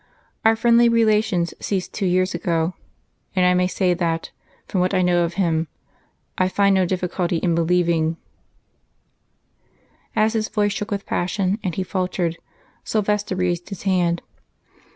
Our friendly relations ceased two years ago, and I may say that, from what I know of him, I find no difficulty in believing " As his voice shook with passion and he faltered, Silvester raised his hand.